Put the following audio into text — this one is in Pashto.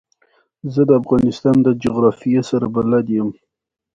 ازادي راډیو د ترانسپورټ په اړه د هر اړخیزو مسایلو پوښښ کړی.